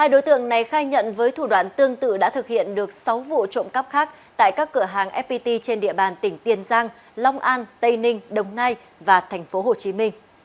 hai đối tượng này khai nhận với thủ đoạn tương tự đã thực hiện được sáu vụ trộm cắp khác tại các cửa hàng fpt trên địa bàn tỉnh tiền giang long an tây ninh đồng nai và tp hcm